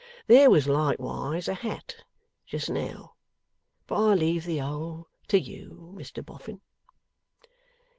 There was likewise a hat just now. But I leave the ole to you, Mr Boffin.